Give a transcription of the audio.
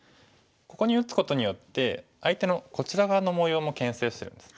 ここに打つことによって相手のこちら側の模様もけん制してるんです。